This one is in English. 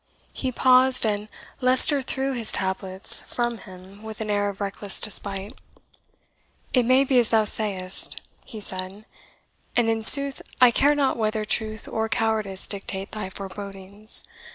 He paused, and Leicester threw his tablets from him with an air of reckless despite. "It may be as thou sayest," he said? "and, in sooth, I care not whether truth or cowardice dictate thy forebodings.